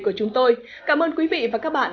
của chúng tôi cảm ơn quý vị và các bạn